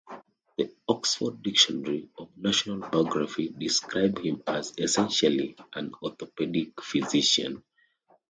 The "Oxford Dictionary of National Biography" describes him as "essentially" an "orthopedic physician".